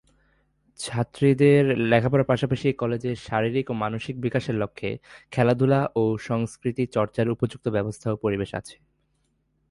ছাত্রীদের লেখাপড়ার পাশাপাশি এ কলেজে শারীরিক ও মানসিক বিকাশের লক্ষ্যে খেলাধুলা ও সংস্কৃতি চর্চার উপযুক্ত ব্যবস্থা ও পরিবেশ আছে।